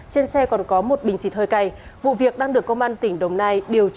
trên xe còn có một bình xịt hơi cay vụ việc đang được công an tỉnh đồng nai điều tra